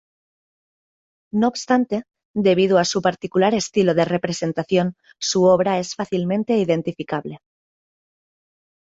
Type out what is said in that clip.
No obstante, debido a su particular estilo de representación, su obra es fácilmente identificable.